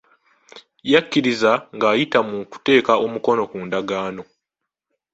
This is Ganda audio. Yakkiriza ng'ayita mu kuteeka omukono ku ndagaano.